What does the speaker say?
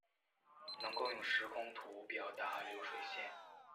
能够用时空图表达流水线